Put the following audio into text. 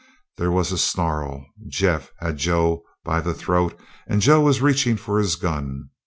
There was a snarl; Jeff had Joe by the throat, and Joe was reaching for his gun.